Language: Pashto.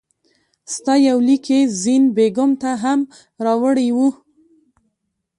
ستا یو لیک یې زین بېګم ته هم راوړی وو.